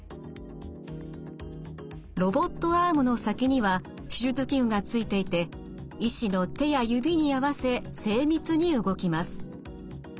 ロボットアームの先には手術器具が付いていて医師の手や指に合わせ精密に動きます。